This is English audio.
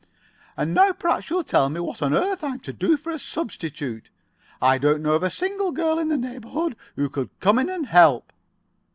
"And now perhaps you'll tell me what on earth I'm to do for a substitute. I don't know of a single girl in this neighborhood who could come in and help."